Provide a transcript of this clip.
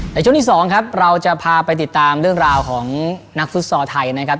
ในช่วงที่๒ครับเราจะพาไปติดตามเรื่องราวของนักฟุตซอลไทยนะครับ